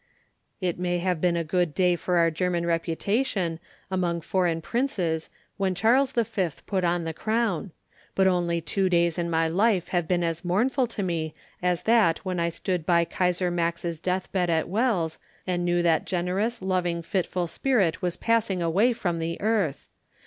It may have been a good day for our German reputation among foreign princes when Charles V. put on the crown; but only two days in my life have been as mournful to me as that when I stood by Kaisar Max's death bed at Wells, and knew that generous, loving, fitful spirit was passing away from the earth!